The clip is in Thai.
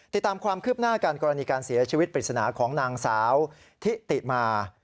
ติดตามความคืบหน้าการกรณีการเสียชีวิตปริศนาของนางสาวทิติมา